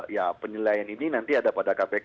ya penilaian ini nanti ada pada kpk